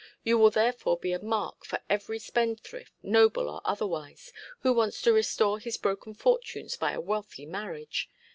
You will therefore be a mark for every spendthrift, noble or otherwise, who wants to restore his broken fortunes by a wealthy marriage.